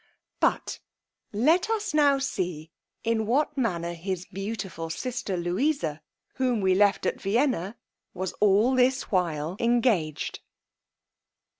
But let us now see in what manner his beautiful sister Louisa, whom we left at Vienna, was all this while engaged.